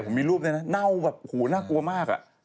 ผมมีรูปด้วยนะเน่าแบบหูน่ากลัวมากอ่ะ